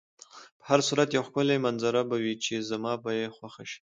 په هر صورت یوه ښکلې منظره به وي چې زما به یې خوښه شي.